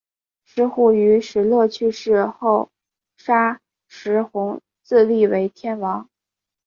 石虎于石勒去世后杀石弘自立为天王。